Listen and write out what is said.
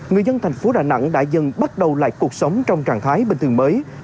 người dân thành phố đà nẵng đã dần bắt đầu lại cuộc sống trong trạng thái bình thường mới